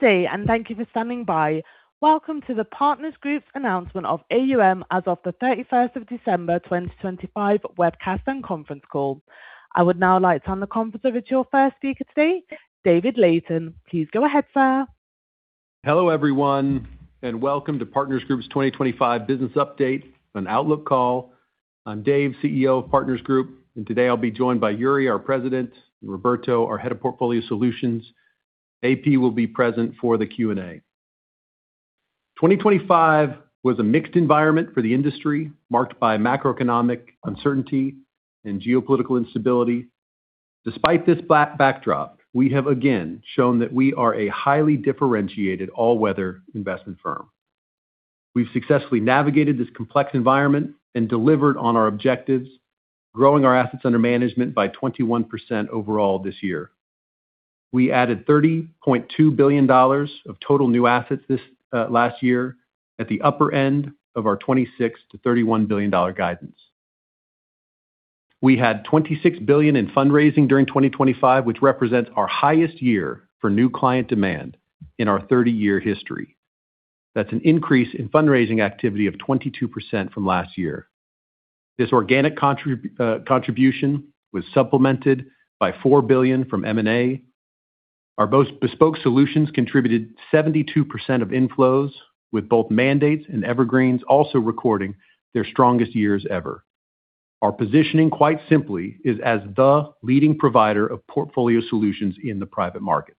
Good day, and thank you for standing by. Welcome to the Partners Group's announcement of AUM as of the 31st of December 2025 webcast and conference call. I would now like to turn the conference over to your first speaker today, David Layton. Please go ahead, sir. Hello everyone, and welcome to Partners Group's 2025 Business Update, an Outlook call. I'm Dave, CEO of Partners Group, and today I'll be joined by Juri, our President, and Roberto, our Head of Portfolio Solutions. AP will be present for the Q&A. 2025 was a mixed environment for the industry, marked by macroeconomic uncertainty and geopolitical instability. Despite this backdrop, we have again shown that we are a highly differentiated, all-weather investment firm. We've successfully navigated this complex environment and delivered on our objectives, growing our assets under management by 21% overall this year. We added $30.2 billion of total new assets this last year, at the upper end of our $26-$31 billion guidance. We had $26 billion in fundraising during 2025, which represents our highest year for new client demand in our 30-year history. That's an increase in fundraising activity of 22% from last year. This organic contribution was supplemented by $4 billion from M&A. Our bespoke solutions contributed 72% of inflows, with both mandates and evergreens also recording their strongest years ever. Our positioning, quite simply, is as the leading provider of portfolio solutions in the private markets.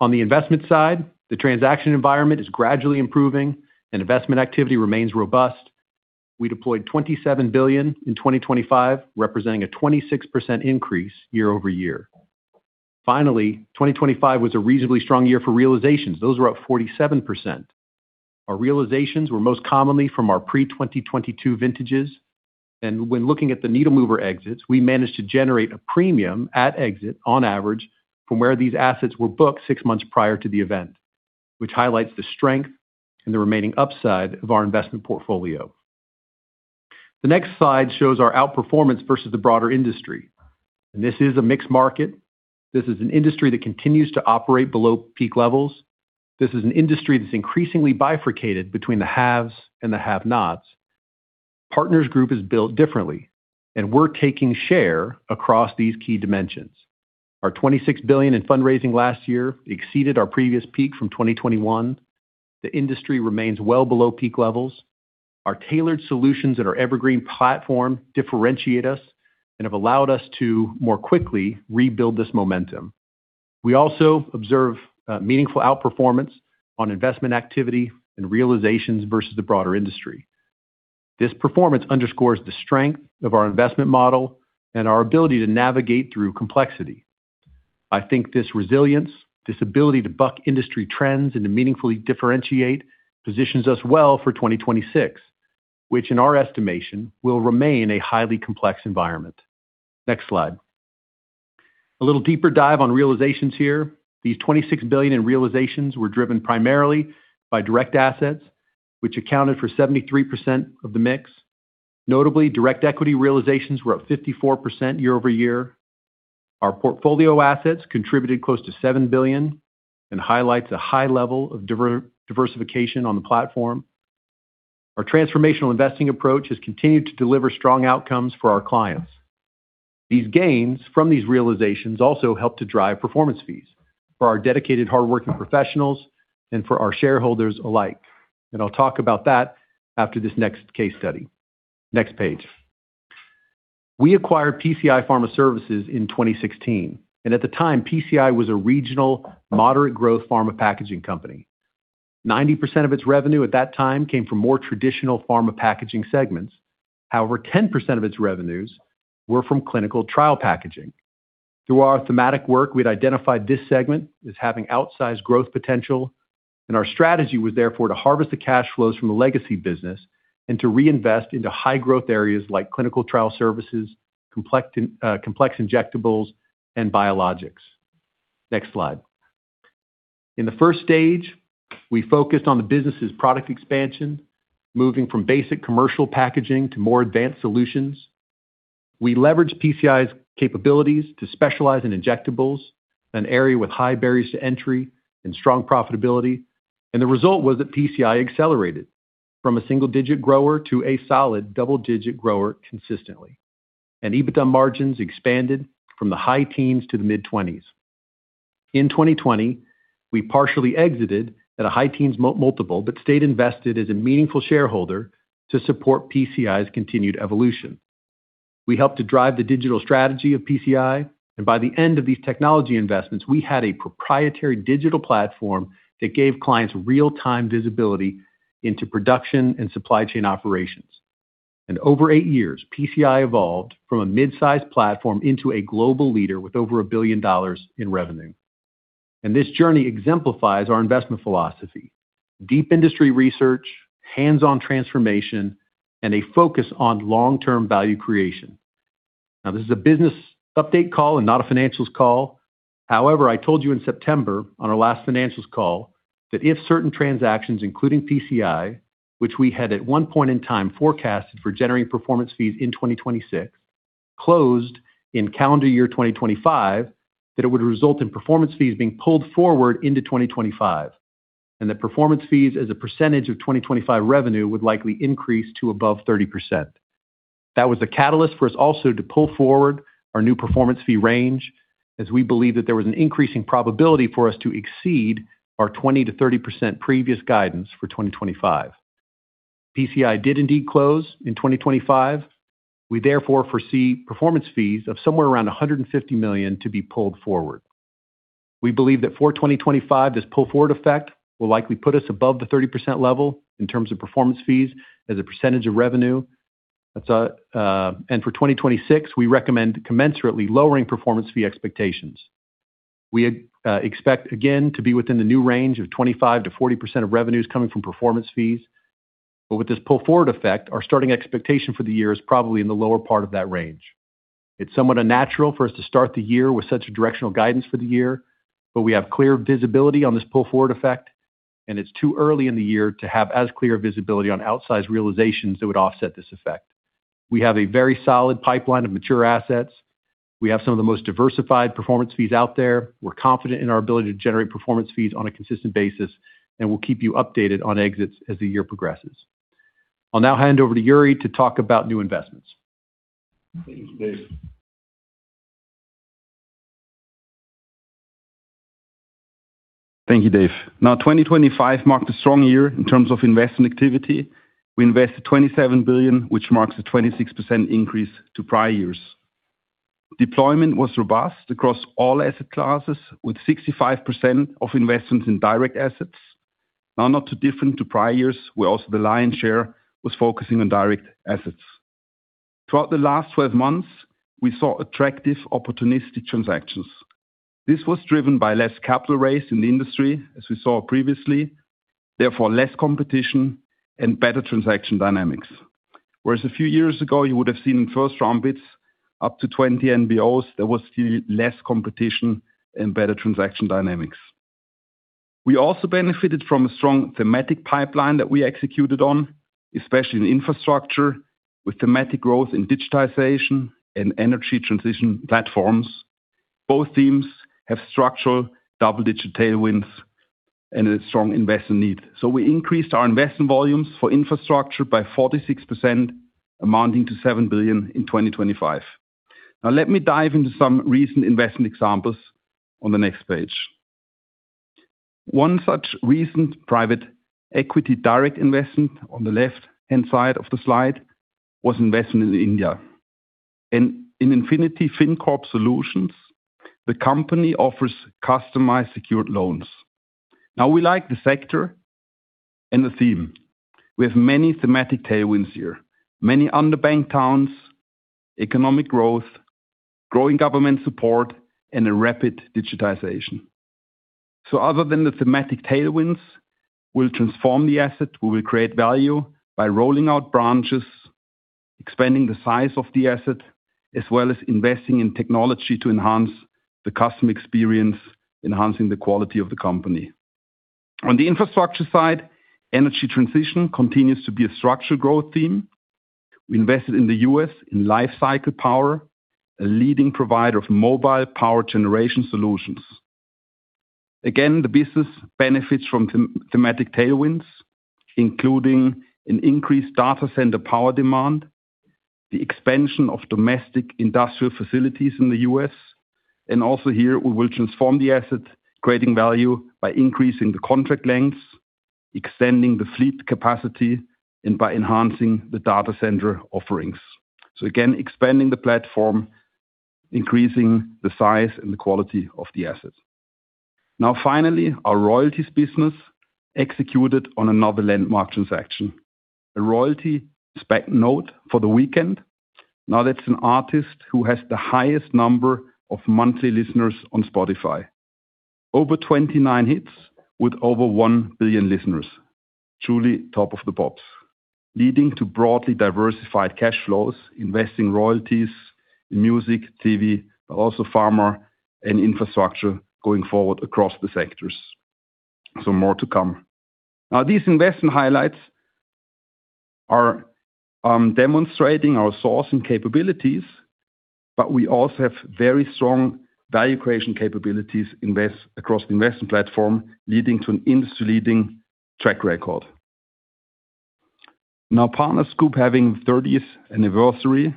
On the investment side, the transaction environment is gradually improving, and investment activity remains robust. We deployed $27 billion in 2025, representing a 26% increase year over year. Finally, 2025 was a reasonably strong year for realizations. Those were up 47%. Our realizations were most commonly from our pre-2022 vintages, and when looking at the needle-mover exits, we managed to generate a premium at exit, on average, from where these assets were booked six months prior to the event, which highlights the strength and the remaining upside of our investment portfolio. The next slide shows our outperformance versus the broader industry. This is a mixed market. This is an industry that continues to operate below peak levels. This is an industry that's increasingly bifurcated between the haves and the have-nots. Partners Group is built differently, and we're taking share across these key dimensions. Our $26 billion in fundraising last year exceeded our previous peak from 2021. The industry remains well below peak levels. Our tailored solutions and our evergreen platform differentiate us and have allowed us to more quickly rebuild this momentum. We also observe meaningful outperformance on investment activity and realizations versus the broader industry. This performance underscores the strength of our investment model and our ability to navigate through complexity. I think this resilience, this ability to buck industry trends and to meaningfully differentiate, positions us well for 2026, which, in our estimation, will remain a highly complex environment. Next slide. A little deeper dive on realizations here. These $26 billion in realizations were driven primarily by direct assets, which accounted for 73% of the mix. Notably, direct equity realizations were up 54% year over year. Our portfolio assets contributed close to $7 billion and highlight a high level of diversification on the platform. Our transformational investing approach has continued to deliver strong outcomes for our clients. These gains from these realizations also helped to drive performance fees for our dedicated, hardworking professionals and for our shareholders alike. And I'll talk about that after this next case study. Next page. We acquired PCI Pharma Services in 2016, and at the time, PCI was a regional, moderate-growth pharma packaging company. 90% of its revenue at that time came from more traditional pharma packaging segments. However, 10% of its revenues were from clinical trial packaging. Through our thematic work, we had identified this segment as having outsized growth potential, and our strategy was therefore to harvest the cash flows from the legacy business and to reinvest into high-growth areas like clinical trial services, complex injectables, and biologics. Next slide. In the first stage, we focused on the business's product expansion, moving from basic commercial packaging to more advanced solutions. We leveraged PCI's capabilities to specialize in injectables, an area with high barriers to entry and strong profitability, and the result was that PCI accelerated from a single-digit grower to a solid double-digit grower consistently, and EBITDA margins expanded from the high teens to the mid-20s. In 2020, we partially exited at a high teens multiple but stayed invested as a meaningful shareholder to support PCI's continued evolution. We helped to drive the digital strategy of PCI, and by the end of these technology investments, we had a proprietary digital platform that gave clients real-time visibility into production and supply chain operations. And over eight years, PCI evolved from a mid-sized platform into a global leader with over $1 billion in revenue. And this journey exemplifies our investment philosophy: deep industry research, hands-on transformation, and a focus on long-term value creation. Now, this is a business update call and not a financials call. However, I told you in September on our last financials call that if certain transactions, including PCI, which we had at one point in time forecasted for generating performance fees in 2026, closed in calendar year 2025, that it would result in performance fees being pulled forward into 2025, and that performance fees as a percentage of 2025 revenue would likely increase to above 30%. That was the catalyst for us also to pull forward our new performance fee range, as we believe that there was an increasing probability for us to exceed our 20%-30% previous guidance for 2025. PCI did indeed close in 2025. We therefore foresee performance fees of somewhere around $150 million to be pulled forward. We believe that for 2025, this pull-forward effect will likely put us above the 30% level in terms of performance fees as a percentage of revenue. For 2026, we recommend commensurately lowering performance fee expectations. We expect, again, to be within the new range of 25%-40% of revenues coming from performance fees. But with this pull-forward effect, our starting expectation for the year is probably in the lower part of that range. It's somewhat unnatural for us to start the year with such a directional guidance for the year, but we have clear visibility on this pull-forward effect, and it's too early in the year to have as clear visibility on outsized realizations that would offset this effect. We have a very solid pipeline of mature assets. We have some of the most diversified performance fees out there. We're confident in our ability to generate performance fees on a consistent basis, and we'll keep you updated on exits as the year progresses. I'll now hand over to Juri to talk about new investments. Thank you, Dave. Thank you, Dave. Now, 2025 marked a strong year in terms of investment activity. We invested $27 billion, which marks a 26% increase to prior years. Deployment was robust across all asset classes, with 65% of investments in direct assets. Now, not too different to prior years, where also the lion's share was focusing on direct assets. Throughout the last 12 months, we saw attractive opportunistic transactions. This was driven by less capital raised in the industry, as we saw previously, therefore less competition and better transaction dynamics. Whereas a few years ago, you would have seen in first round bids up to 20 NBOs, there was still less competition and better transaction dynamics. We also benefited from a strong thematic pipeline that we executed on, especially in infrastructure, with thematic growth in digitization and energy transition platforms. Both teams have structural double-digit tailwinds and a strong investment need. So we increased our investment volumes for infrastructure by 46%, amounting to $7 billion in 2025. Now, let me dive into some recent investment examples on the next page. One such recent private equity direct investment on the left-hand side of the slide was investment in India. And in Infinity Fincorp Solutions, the company offers customized secured loans. Now, we like the sector and the theme. We have many thematic tailwinds here: many underbanked towns, economic growth, growing government support, and a rapid digitization. So other than the thematic tailwinds, we'll transform the asset. We will create value by rolling out branches, expanding the size of the asset, as well as investing in technology to enhance the customer experience, enhancing the quality of the company. On the infrastructure side, energy transition continues to be a structural growth theme. We invested in the US in Life Cycle Power, a leading provider of mobile power generation solutions. Again, the business benefits from thematic tailwinds, including an increased data center power demand, the expansion of domestic industrial facilities in the US. And also here, we will transform the asset, creating value by increasing the contract lengths, extending the fleet capacity, and by enhancing the data center offerings. So again, expanding the platform, increasing the size and the quality of the asset. Now, finally, our royalties business executed on another landmark transaction: a royalty spec note for The Weeknd. Now, that's an artist who has the highest number of monthly listeners on Spotify: over 29 hits, with over 1 billion listeners. Truly top of the pops, leading to broadly diversified cash flows, investing royalties in music, TV, but also pharma and infrastructure going forward across the sectors. So more to come. Now, these investment highlights are demonstrating our sourcing and capabilities, but we also have very strong value creation capabilities across the investment platform, leading to an industry-leading track record. Now, Partners Group having the 30th anniversary.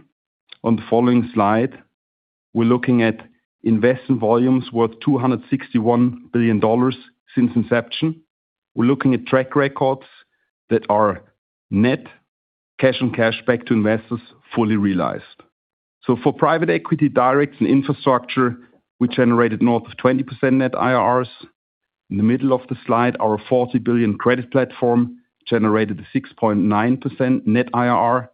On the following slide, we're looking at investment volumes worth $261 billion since inception. We're looking at track records that are net cash on cash back to investors fully realized. So for private equity directs and infrastructure, we generated north of 20% net IRRs. In the middle of the slide, our $40 billion credit platform generated a 6.9% net IRR,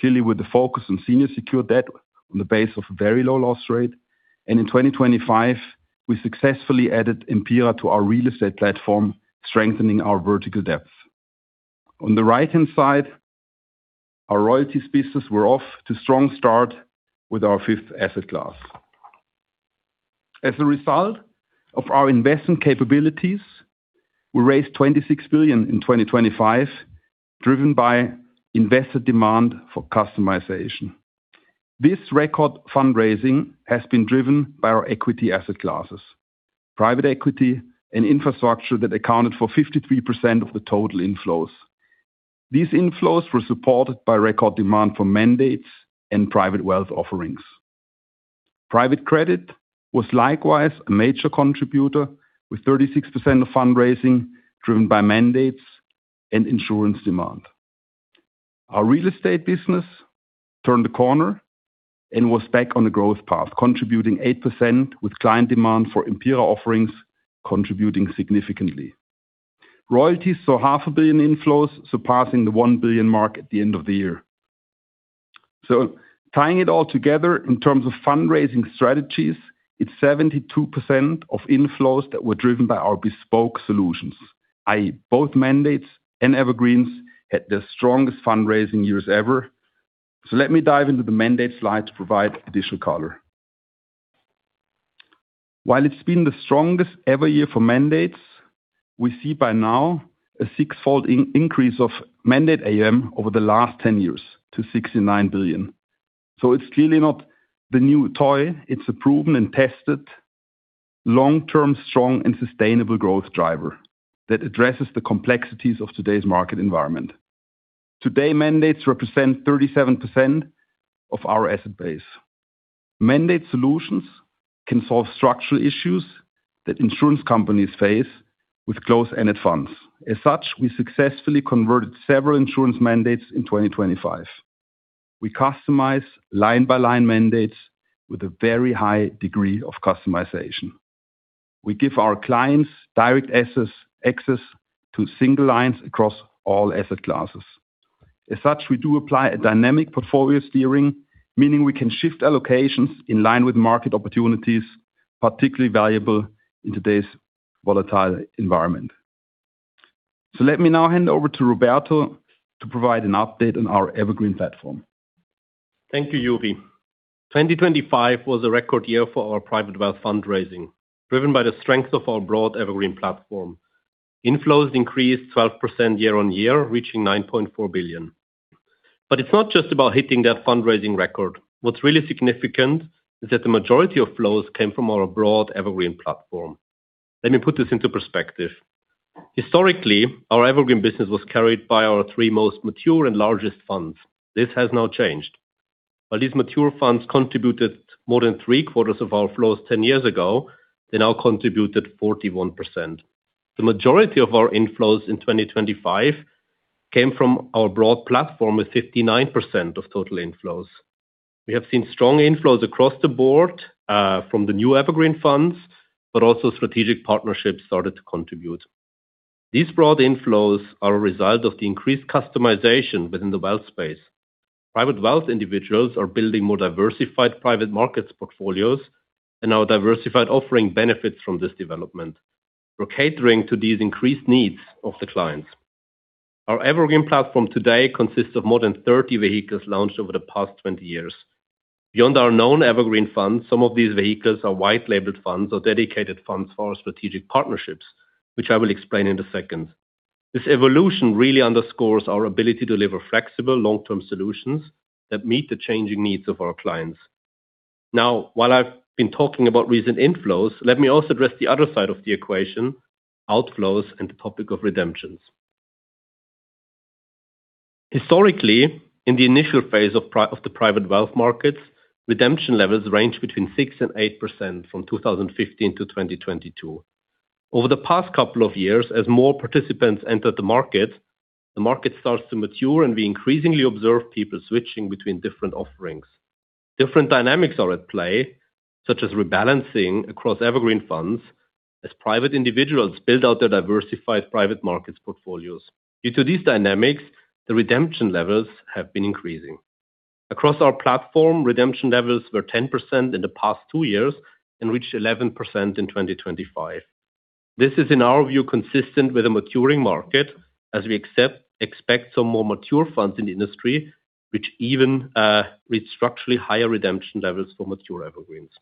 clearly with a focus on senior secured debt on the basis of a very low loss rate. In 2025, we successfully added Empira to our real estate platform, strengthening our vertical depth. On the right-hand side, our royalties business were off to a strong start with our fifth asset class. As a result of our investment capabilities, we raised $26 billion in 2025, driven by investor demand for customization. This record fundraising has been driven by our equity asset classes, private equity, and infrastructure that accounted for 53% of the total inflows. These inflows were supported by record demand for mandates and private wealth offerings. Private credit was likewise a major contributor, with 36% of fundraising driven by mandates and insurance demand. Our real estate business turned the corner and was back on the growth path, contributing 8% with client demand for Empira offerings, contributing significantly. Royalties saw $500 million inflows, surpassing the $1 billion mark at the end of the year. So tying it all together in terms of fundraising strategies, it's 72% of inflows that were driven by our bespoke solutions. Both mandates and Evergreens had their strongest fundraising years ever. Let me dive into the mandate slide to provide additional color. While it's been the strongest ever year for mandates, we see by now a six-fold increase of mandate AUM over the last 10 years to $69 billion. It's clearly not the new toy. It's a proven and tested long-term, strong, and sustainable growth driver that addresses the complexities of today's market environment. Today, mandates represent 37% of our asset base. Mandate solutions can solve structural issues that insurance companies face with closed-ended funds. As such, we successfully converted several insurance mandates in 2025. We customize line-by-line mandates with a very high degree of customization. We give our clients direct access to single lines across all asset classes. As such, we do apply a dynamic portfolio steering, meaning we can shift allocations in line with market opportunities, particularly valuable in today's volatile environment. So let me now hand over to Roberto to provide an update on our Evergreen platform. Thank you, Juri. 2025 was a record year for our private wealth fundraising, driven by the strength of our broad Evergreen platform. Inflows increased 12% year-on-year, reaching $9.4 billion. But it's not just about hitting that fundraising record. What's really significant is that the majority of flows came from our broad Evergreen platform. Let me put this into perspective. Historically, our Evergreen business was carried by our three most mature and largest funds. This has now changed. While these mature funds contributed more than three-quarters of our flows 10 years ago, they now contributed 41%. The majority of our inflows in 2025 came from our broad platform with 59% of total inflows. We have seen strong inflows across the board from the new Evergreen funds, but also strategic partnerships started to contribute. These broad inflows are a result of the increased customization within the wealth space. Private wealth individuals are building more diversified private markets portfolios, and our diversified offering benefits from this development. We're catering to these increased needs of the clients. Our Evergreen platform today consists of more than 30 vehicles launched over the past 20 years. Beyond our known Evergreen funds, some of these vehicles are white-labeled funds or dedicated funds for our strategic partnerships, which I will explain in a second. This evolution really underscores our ability to deliver flexible, long-term solutions that meet the changing needs of our clients. Now, while I've been talking about recent inflows, let me also address the other side of the equation: outflows and the topic of redemptions. Historically, in the initial phase of the private wealth markets, redemption levels ranged between 6% and 8% from 2015 to 2022. Over the past couple of years, as more participants entered the market, the market starts to mature, and we increasingly observe people switching between different offerings. Different dynamics are at play, such as rebalancing across Evergreen funds as private individuals build out their diversified private markets portfolios. Due to these dynamics, the redemption levels have been increasing. Across our platform, redemption levels were 10% in the past two years and reached 11% in 2025. This is, in our view, consistent with a maturing market, as we expect some more mature funds in the industry, which even reach structurally higher redemption levels for mature Evergreens.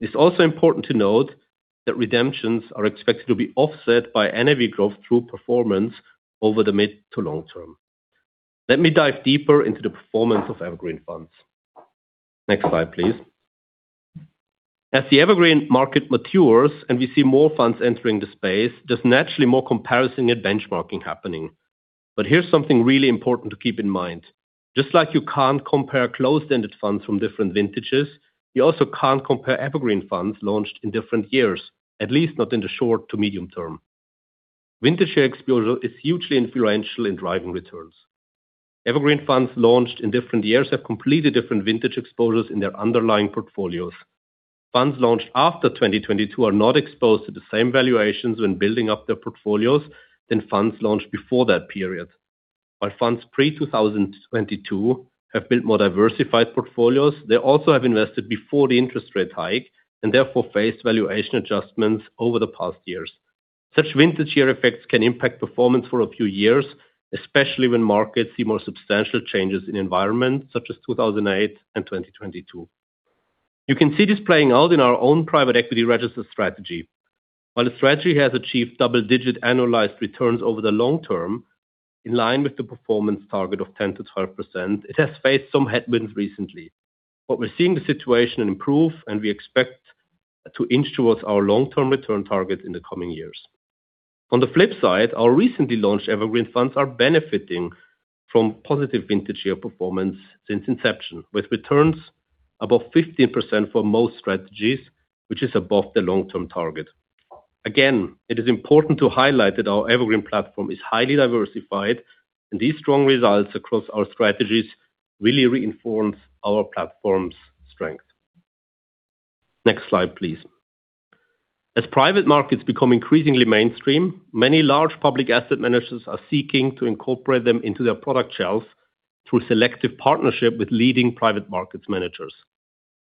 It's also important to note that redemptions are expected to be offset by NAV growth through performance over the mid to long term. Let me dive deeper into the performance of Evergreen funds. Next slide, please. As the Evergreen market matures and we see more funds entering the space, there's naturally more comparison and benchmarking happening. But here's something really important to keep in mind. Just like you can't compare closed-ended funds from different vintages, you also can't compare Evergreen funds launched in different years, at least not in the short to medium term. Vintage share exposure is hugely influential in driving returns. Evergreen funds launched in different years have completely different vintage exposures in their underlying portfolios. Funds launched after 2022 are not exposed to the same valuations when building up their portfolios than funds launched before that period. While funds pre-2022 have built more diversified portfolios, they also have invested before the interest rate hike and therefore faced valuation adjustments over the past years. Such vintage share effects can impact performance for a few years, especially when markets see more substantial changes in environments such as 2008 and 2022. You can see this playing out in our own private equity registered strategy. While the strategy has achieved double-digit annualized returns over the long term, in line with the performance target of 10%-12%, it has faced some headwinds recently. But we're seeing the situation improve, and we expect to inch towards our long-term return target in the coming years. On the flip side, our recently launched Evergreen funds are benefiting from positive vintage share performance since inception, with returns above 15% for most strategies, which is above the long-term target. Again, it is important to highlight that our Evergreen platform is highly diversified, and these strong results across our strategies really reinforce our platform's strength. Next slide, please. As private markets become increasingly mainstream, many large public asset managers are seeking to incorporate them into their product shelves through selective partnership with leading private markets managers.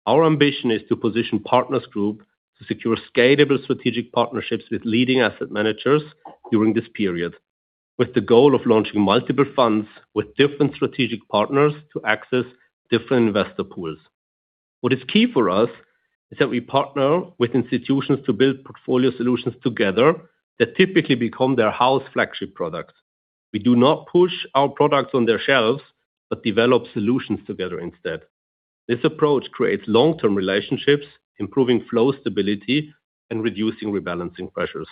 Our ambition is to position Partners Group to secure scalable strategic partnerships with leading asset managers during this period, with the goal of launching multiple funds with different strategic partners to access different investor pools. What is key for us is that we partner with institutions to build portfolio solutions together that typically become their house flagship products. We do not push our products on their shelves, but develop solutions together instead. This approach creates long-term relationships, improving flow stability and reducing rebalancing pressures.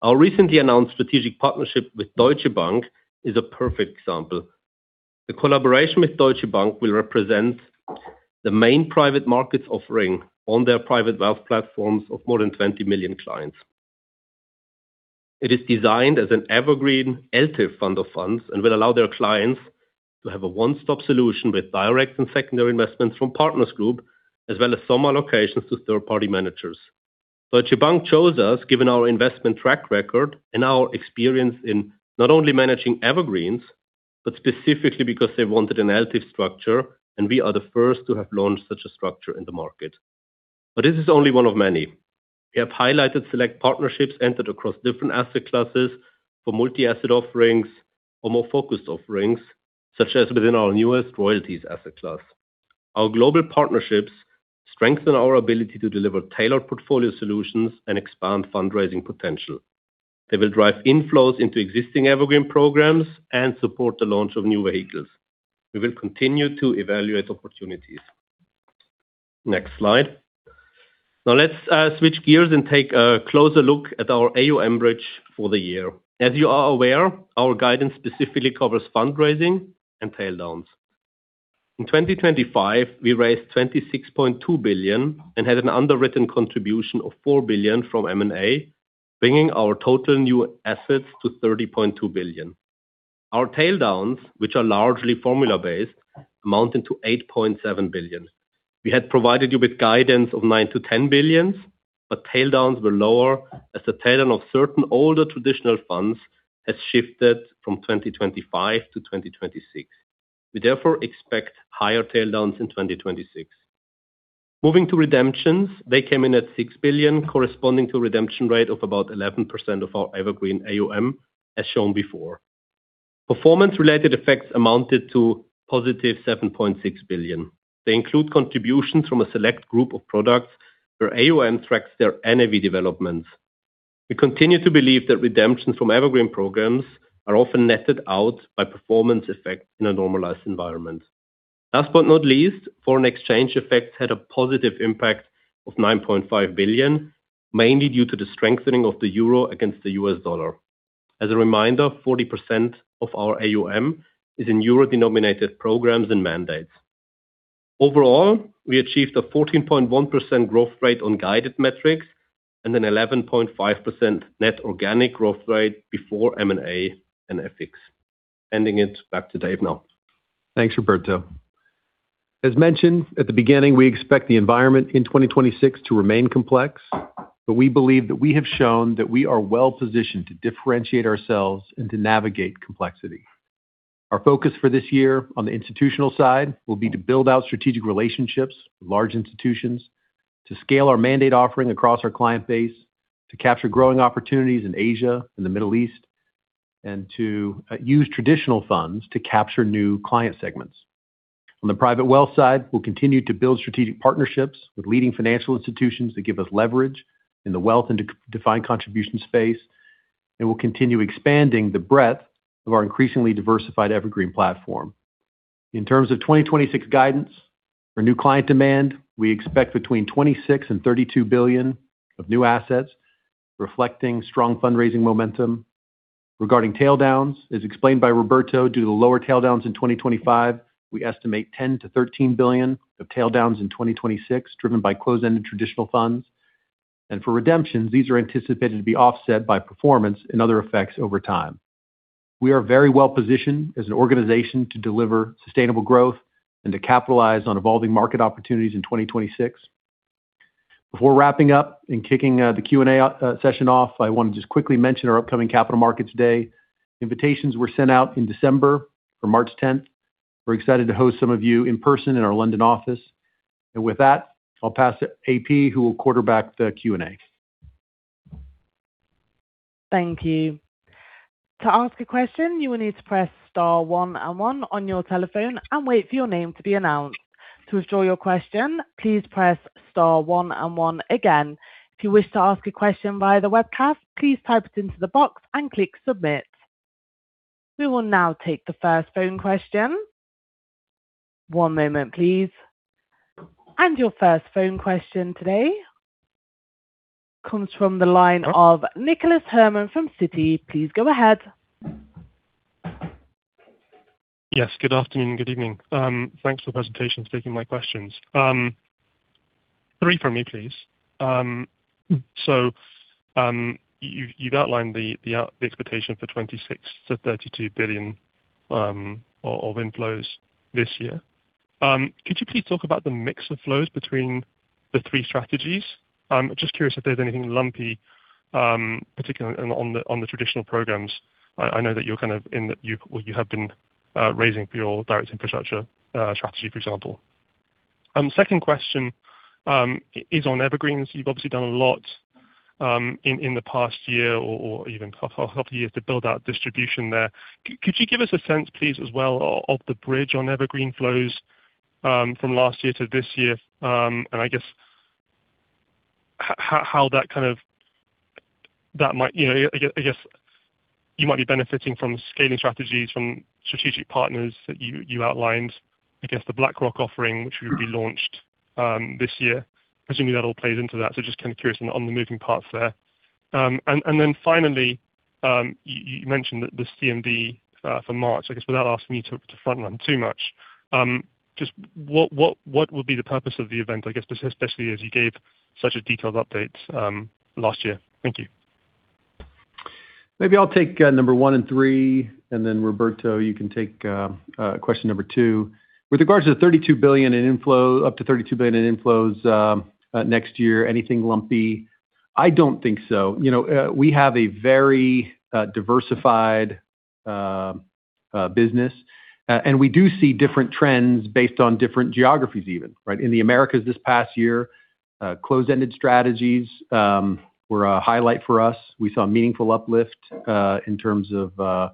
Our recently announced strategic partnership with Deutsche Bank is a perfect example. The collaboration with Deutsche Bank will represent the main private markets offering on their private wealth platforms of more than 20 million clients. It is designed as an Evergreen ELTIF fund of funds and will allow their clients to have a one-stop solution with direct and secondary investments from Partners Group, as well as some allocations to third-party managers. Deutsche Bank chose us given our investment track record and our experience in not only managing Evergreens, but specifically because they wanted an ELTIF structure, and we are the first to have launched such a structure in the market, but this is only one of many. We have highlighted select partnerships entered across different asset classes for multi-asset offerings or more focused offerings, such as within our newest royalties asset class. Our global partnerships strengthen our ability to deliver tailored portfolio solutions and expand fundraising potential. They will drive inflows into existing Evergreen programs and support the launch of new vehicles. We will continue to evaluate opportunities. Next slide. Now, let's switch gears and take a closer look at our AUM bridge for the year. As you are aware, our guidance specifically covers fundraising and tail-downs. In 2025, we raised $26.2 billion and had an underwritten contribution of $4 billion from M&A, bringing our total new assets to $30.2 billion. Our tail-downs, which are largely formula-based, amounted to $8.7 billion. We had provided you with guidance of $9-$10 billion, but tail-downs were lower as the tail-down of certain older traditional funds has shifted from 2025 to 2026. We therefore expect higher tail-downs in 2026. Moving to redemptions, they came in at $6 billion, corresponding to a redemption rate of about 11% of our Evergreen AUM, as shown before. Performance-related effects amounted to positive $7.6 billion. They include contributions from a select group of products where AUM tracks their NAV developments. We continue to believe that redemptions from Evergreen programs are often netted out by performance effects in a normalized environment. Last but not least, foreign exchange effects had a positive impact of $9.5 billion, mainly due to the strengthening of the euro against the US dollar. As a reminder, 40% of our AUM is in euro-denominated programs and mandates. Overall, we achieved a 14.1% growth rate on guided metrics and an 11.5% net organic growth rate before M&A and FX. Handing it back to Dave now. Thanks, Roberto. As mentioned at the beginning, we expect the environment in 2026 to remain complex, but we believe that we have shown that we are well-positioned to differentiate ourselves and to navigate complexity. Our focus for this year on the institutional side will be to build out strategic relationships with large institutions, to scale our mandate offering across our client base, to capture growing opportunities in Asia and the Middle East, and to use traditional funds to capture new client segments. On the private wealth side, we'll continue to build strategic partnerships with leading financial institutions that give us leverage in the wealth and defined contribution space, and we'll continue expanding the breadth of our increasingly diversified Evergreen platform. In terms of 2026 guidance for new client demand, we expect between $26 billion and $32 billion of new assets, reflecting strong fundraising momentum. Regarding tail-downs, as explained by Roberto, due to the lower tail-downs in 2025, we estimate $10-$13 billion of tail-downs in 2026, driven by closed-ended traditional funds. For redemptions, these are anticipated to be offset by performance and other effects over time. We are very well-positioned as an organization to deliver sustainable growth and to capitalize on evolving market opportunities in 2026. Before wrapping up and kicking the Q&A session off, I want to just quickly mention our upcoming capital markets day. Invitations were sent out in December for March 10th. We're excited to host some of you in person in our London office. With that, I'll pass to AP, who will quarterback the Q&A. Thank you. To ask a question, you will need to press Star one and one on your telephone and wait for your name to be announced. To withdraw your question, please press Star one and one again. If you wish to ask a question via the webcast, please type it into the box and click Submit. We will now take the first phone question. One moment, please. And your first phone question today comes from the line of Nicholas Herman from Citi. Please go ahead. Yes, good afternoon and good evening. Thanks for the presentation for taking my questions. Three from me, please. So you've outlined the expectation for $26-$32 billion of inflows this year. Could you please talk about the mix of flows between the three strategies? I'm just curious if there's anything lumpy, particularly on the traditional programs. I know that you're kind of in that you have been raising for your direct infrastructure strategy, for example. Second question is on Evergreens. You've obviously done a lot in the past year or even a couple of years to build out distribution there. Could you give us a sense, please, as well of the bridge on Evergreen flows from last year to this year? And I guess how that kind of might, I guess, you might be benefiting from scaling strategies from strategic partners that you outlined. I guess the BlackRock offering, which will be launched this year. Presumably, that all plays into that. So just kind of curious on the moving parts there. And then finally, you mentioned the CMD for March. I guess without asking you to front-run too much, just what would be the purpose of the event, I guess, especially as you gave such a detailed update last year? Thank you. Maybe I'll take number one and three, and then Roberto, you can take question number two. With regards to the $32 billion in inflow, up to $32 billion in inflows next year, anything lumpy? I don't think so. We have a very diversified business, and we do see different trends based on different geographies even. In the Americas this past year, closed-ended strategies were a highlight for us. We saw a meaningful uplift in terms of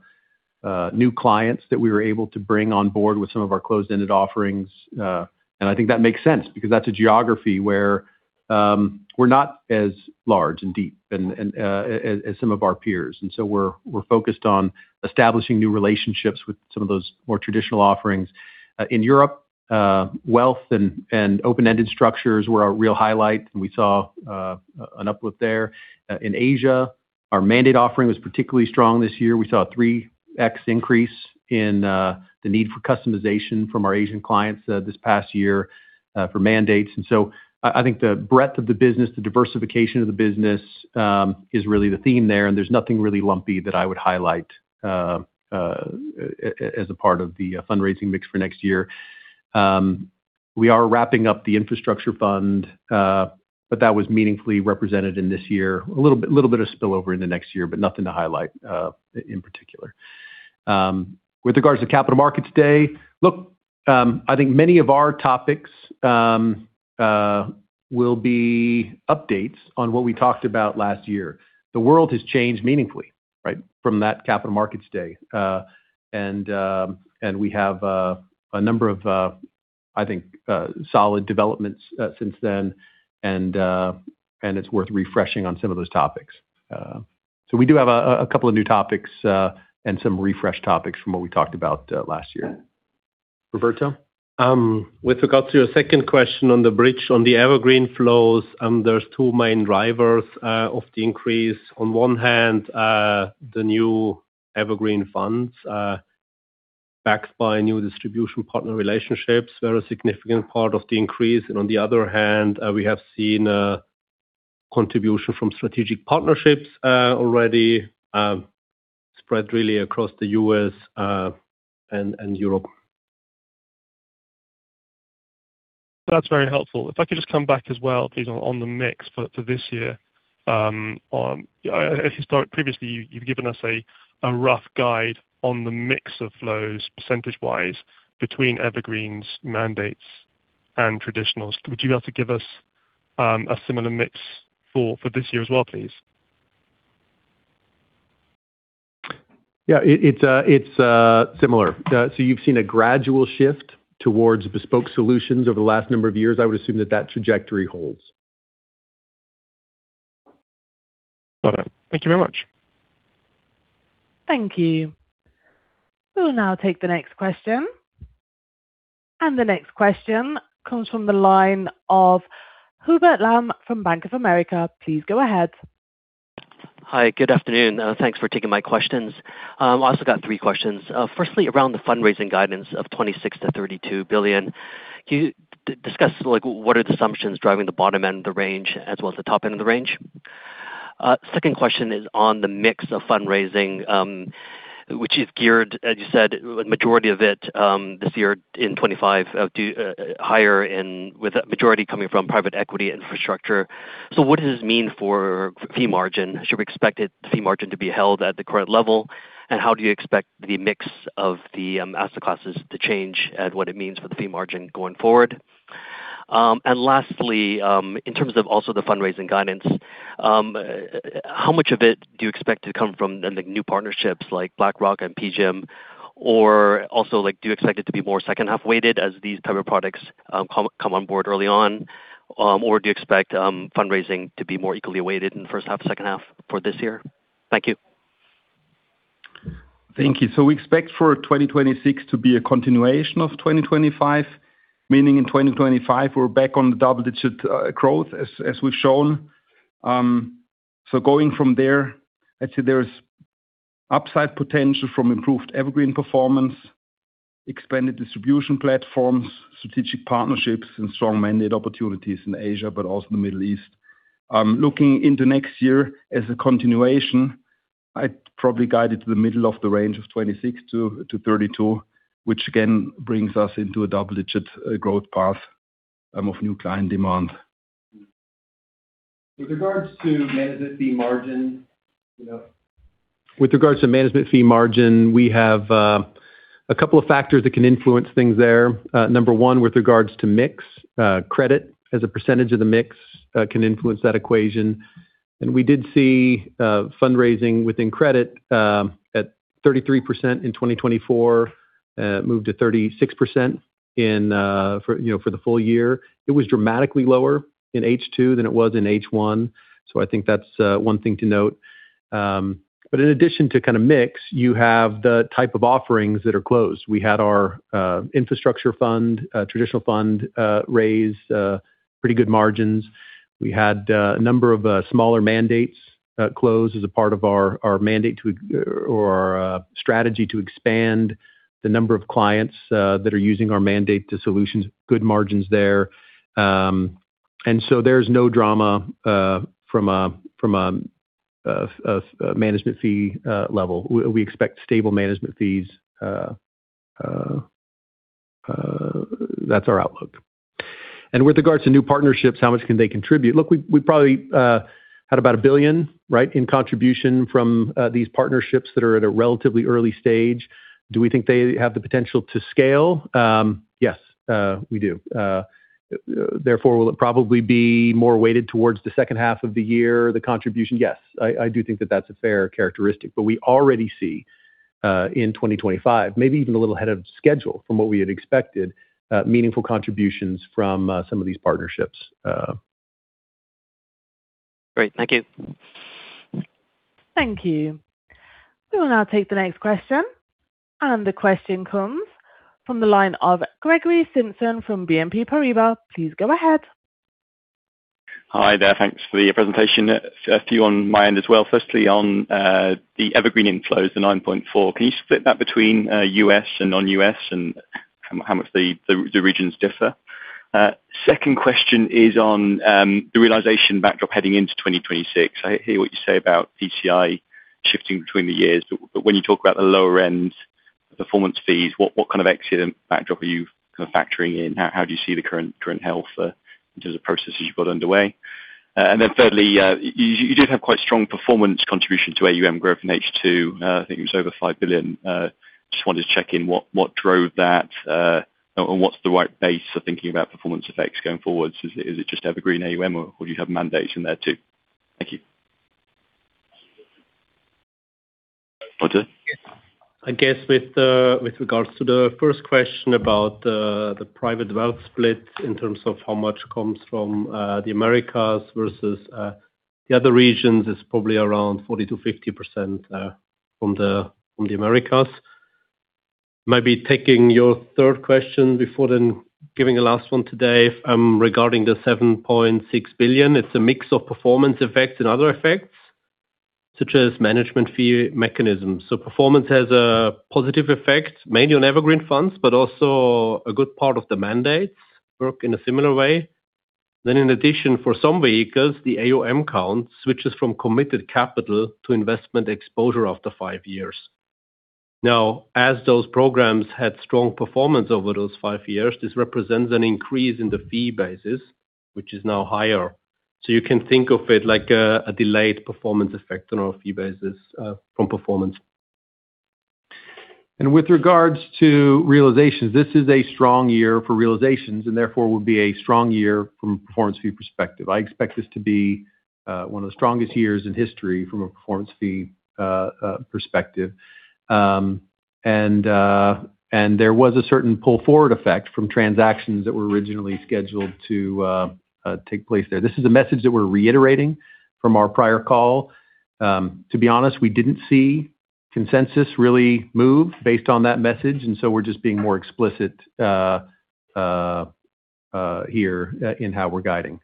new clients that we were able to bring on board with some of our closed-ended offerings. And I think that makes sense because that's a geography where we're not as large and deep as some of our peers. And so we're focused on establishing new relationships with some of those more traditional offerings. In Europe, wealth and open-ended structures were a real highlight, and we saw an uplift there. In Asia, our mandate offering was particularly strong this year. We saw a 3x increase in the need for customization from our Asian clients this past year for mandates. And so I think the breadth of the business, the diversification of the business is really the theme there, and there's nothing really lumpy that I would highlight as a part of the fundraising mix for next year. We are wrapping up the infrastructure fund, but that was meaningfully represented in this year. A little bit of spillover in the next year, but nothing to highlight in particular. With regards to capital markets day, look, I think many of our topics will be updates on what we talked about last year. The world has changed meaningfully from that capital markets day. And we have a number of, I think, solid developments since then, and it's worth refreshing on some of those topics. So we do have a couple of new topics and some refreshed topics from what we talked about last year. Roberto? With regards to your second question on the bridge, on the Evergreen flows, there's two main drivers of the increase. On one hand, the new Evergreen funds backed by new distribution partner relationships were a significant part of the increase, and on the other hand, we have seen contribution from strategic partnerships already spread really across the U.S. and Europe. That's very helpful. If I could just come back as well, please, on the mix for this year. Previously, you've given us a rough guide on the mix of flows percentage-wise between Evergreen's mandates and traditionals. Would you be able to give us a similar mix for this year as well, please? Yeah, it's similar. So you've seen a gradual shift towards bespoke solutions over the last number of years. I would assume that that trajectory holds. Got it. Thank you very much. Thank you. We'll now take the next question. And the next question comes from the line of Hubert Lam from Bank of America. Please go ahead. Hi, good afternoon. Thanks for taking my questions. I also got three questions. Firstly, around the fundraising guidance of $26-$32 billion, you discussed what are the assumptions driving the bottom end of the range as well as the top end of the range. Second question is on the mix of fundraising, which is geared, as you said, with the majority of it this year in 2025, higher with a majority coming from private equity infrastructure. So what does this mean for fee margin? Should we expect the fee margin to be held at the current level? And how do you expect the mix of the asset classes to change and what it means for the fee margin going forward? And lastly, in terms of also the fundraising guidance, how much of it do you expect to come from the new partnerships like BlackRock and PGIM? Or also, do you expect it to be more second-half weighted as these type of products come on board early on? Or do you expect fundraising to be more equally weighted in the first half, second half for this year? Thank you. Thank you, so we expect for 2026 to be a continuation of 2025, meaning in 2025, we're back on the double-digit growth as we've shown. So going from there, I'd say there's upside potential from improved Evergreen performance, expanded distribution platforms, strategic partnerships, and strong mandate opportunities in Asia, but also the Middle East. Looking into next year as a continuation, I'd probably guide it to the middle of the range of 2026 to 2032, which again brings us into a double-digit growth path of new client demand. With regards to management fee margin. With regards to management fee margin, we have a couple of factors that can influence things there. Number one, with regards to mix, credit as a percentage of the mix can influence that equation. And we did see fundraising within credit at 33% in 2024, moved to 36% for the full year. It was dramatically lower in H2 than it was in H1. So I think that's one thing to note. But in addition to kind of mix, you have the type of offerings that are closed. We had our infrastructure fund, traditional fund raise, pretty good margins. We had a number of smaller mandates close as a part of our mandate or our strategy to expand the number of clients that are using our mandate to solutions, good margins there. And so there's no drama from a management fee level. We expect stable management fees. That's our outlook. With regards to new partnerships, how much can they contribute? Look, we probably had about $1 billion in contribution from these partnerships that are at a relatively early stage. Do we think they have the potential to scale? Yes, we do. Therefore, will it probably be more weighted towards the second half of the year, the contribution? Yes, I do think that that's a fair characteristic. But we already see in 2025, maybe even a little ahead of schedule from what we had expected, meaningful contributions from some of these partnerships. Great. Thank you. Thank you. We will now take the next question. And the question comes from the line of Gregory Simpson from BNP Paribas. Please go ahead. Hi there. Thanks for the presentation. A few on my end as well. Firstly, on the Evergreen inflows, the 9.4, can you split that between US and non-US and how much the regions differ? Second question is on the realization backdrop heading into 2026. I hear what you say about PCI shifting between the years, but when you talk about the lower-end performance fees, what kind of exiting backdrop are you kind of factoring in? How do you see the current health in terms of processes you've got underway? And then thirdly, you did have quite strong performance contribution to AUM growth in H2. I think it was over $5 billion. Just wanted to check in what drove that and what's the right base for thinking about performance effects going forward? Is it just Evergreen AUM, or do you have mandates in there too? Thank you. Roger? I guess with regards to the first question about the private wealth split in terms of how much comes from the Americas versus the other regions, it's probably around 40%-50% from the Americas. Maybe taking your third question before then giving a last one today regarding the $7.6 billion, it's a mix of performance effects and other effects such as management fee mechanisms. So performance has a positive effect, mainly on Evergreen funds, but also a good part of the mandates work in a similar way. Then in addition, for some vehicles, the AUM count switches from committed capital to investment exposure after five years. Now, as those programs had strong performance over those five years, this represents an increase in the fee basis, which is now higher. So you can think of it like a delayed performance effect on our fee basis from performance. And with regards to realizations, this is a strong year for realizations, and therefore would be a strong year from a performance fee perspective. I expect this to be one of the strongest years in history from a performance fee perspective. And there was a certain pull-forward effect from transactions that were originally scheduled to take place there. This is a message that we're reiterating from our prior call. To be honest, we didn't see consensus really move based on that message, and so we're just being more explicit here in how we're guiding,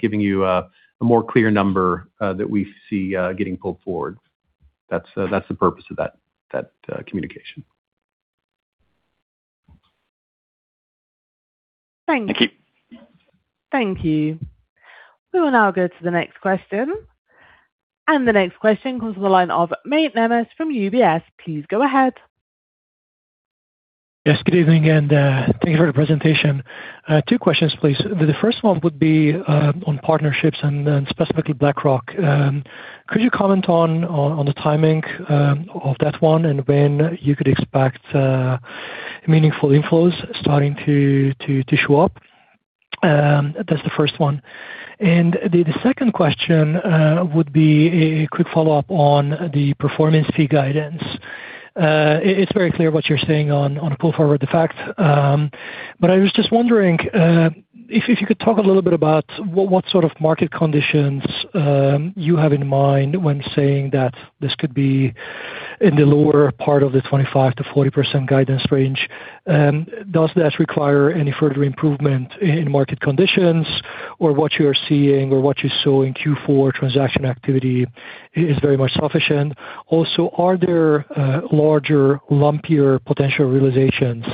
giving you a more clear number that we see getting pulled forward. That's the purpose of that communication. Thank you. Thank you. Thank you. We will now go to the next question. And the next question comes from the line of Mate Nemes from UBS. Please go ahead. Yes, good evening, and thank you for the presentation. Two questions, please. The first one would be on partnerships and specifically BlackRock. Could you comment on the timing of that one and when you could expect meaningful inflows starting to show up? That's the first one. And the second question would be a quick follow-up on the performance fee guidance. It's very clear what you're saying on pull-forward effect, but I was just wondering if you could talk a little bit about what sort of market conditions you have in mind when saying that this could be in the lower part of the 25%-40% guidance range. Does that require any further improvement in market conditions, or what you're seeing or what you saw in Q4 transaction activity is very much sufficient? Also, are there larger, lumpier potential realizations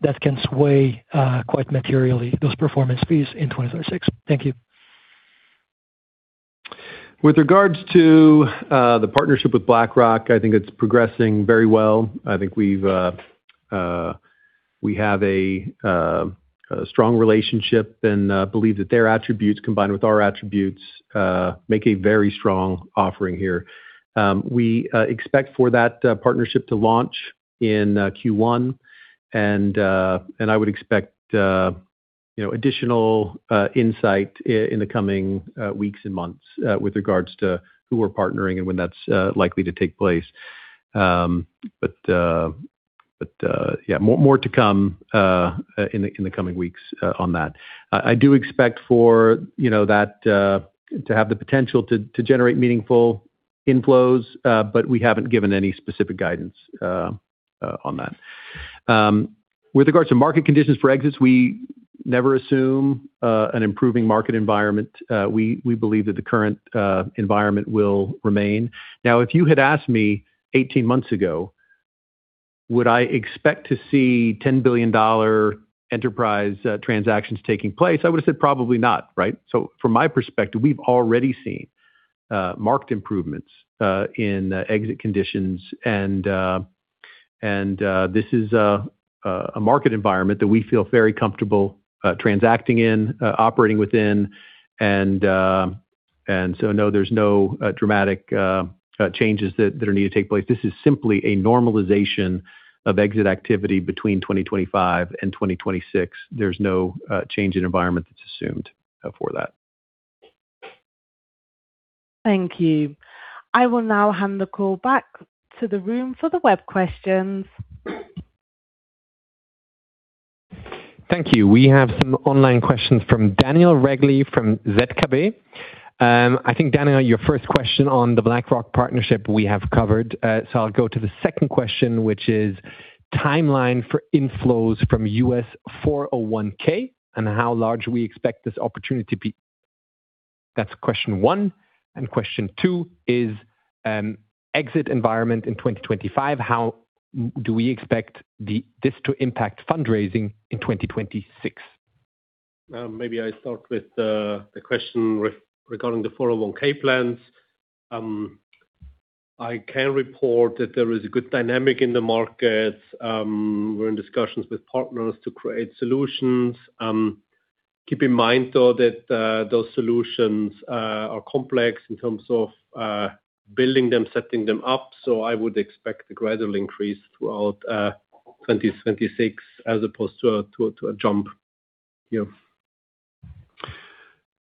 that can sway quite materially those performance fees in 2026? Thank you. With regards to the partnership with BlackRock, I think it's progressing very well. I think we have a strong relationship and believe that their attributes combined with our attributes make a very strong offering here. We expect for that partnership to launch in Q1, and I would expect additional insight in the coming weeks and months with regards to who we're partnering and when that's likely to take place. But yeah, more to come in the coming weeks on that. I do expect for that to have the potential to generate meaningful inflows, but we haven't given any specific guidance on that. With regards to market conditions for exits, we never assume an improving market environment. We believe that the current environment will remain. Now, if you had asked me 18 months ago, would I expect to see $10 billion enterprise transactions taking place? I would have said probably not, right? So from my perspective, we've already seen marked improvements in exit conditions, and this is a market environment that we feel very comfortable transacting in, operating within. And so no, there's no dramatic changes that are needed to take place. This is simply a normalization of exit activity between 2025 and 2026. There's no change in environment that's assumed for that. Thank you. I will now hand the call back to the room for the web questions. Thank you. We have some online questions from Daniel Regli from Zürcher Kantonalbank. I think, Daniel, your first question on the BlackRock partnership we have covered. So I'll go to the second question, which is timeline for inflows from US 401(k) and how large we expect this opportunity to be. That's question one, and question two is exit environment in 2025. How do we expect this to impact fundraising in 2026? Maybe I start with the question regarding the 401(k) plans. I can report that there is a good dynamic in the markets. We're in discussions with partners to create solutions. Keep in mind, though, that those solutions are complex in terms of building them, setting them up. So I would expect a gradual increase throughout 2026 as opposed to a jump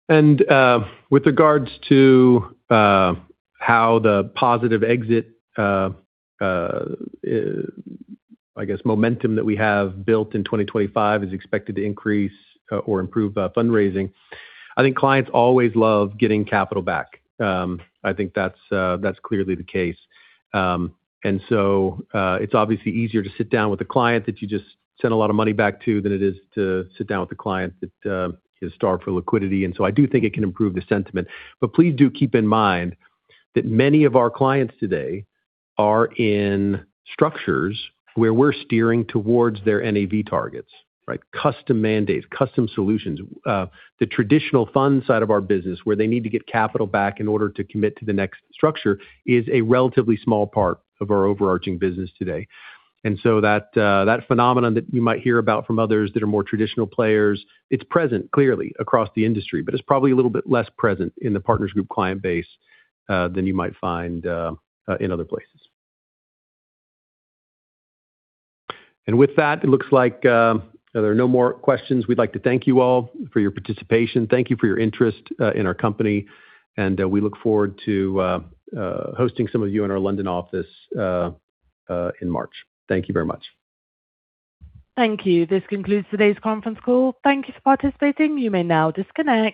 here. And with regards to how the positive exit, I guess, momentum that we have built in 2025 is expected to increase or improve fundraising, I think clients always love getting capital back. I think that's clearly the case. And so it's obviously easier to sit down with a client that you just sent a lot of money back to than it is to sit down with a client that is starved for liquidity. And so I do think it can improve the sentiment. But please do keep in mind that many of our clients today are in structures where we're steering towards their NAV targets, right? Custom mandates, custom solutions. The traditional fund side of our business, where they need to get capital back in order to commit to the next structure, is a relatively small part of our overarching business today. That phenomenon that you might hear about from others that are more traditional players, it's present clearly across the industry, but it's probably a little bit less present in the Partners Group client base than you might find in other places. With that, it looks like there are no more questions. We'd like to thank you all for your participation. Thank you for your interest in our company. We look forward to hosting some of you in our London office in March. Thank you very much. Thank you. This concludes today's conference call. Thank you for participating. You may now disconnect.